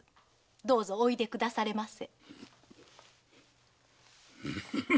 どうぞおいでくだされませ。